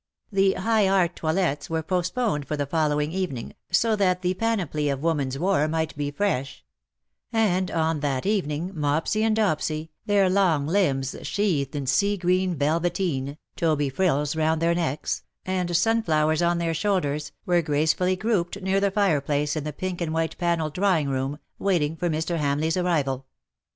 The high art toilets were postponed for the following evening, so that the panoply of woman's war might be fresh ; and on that evening Mopsy and Dopsy, their long limbs sheathed in sea green velveteen, Toby frills round their necks, and sun 211 flowers on their shoulders, were gracefully grouped near the fireplace in the pink and white panelled drawing room, waiting for Mr. Hamleigh^s arrival.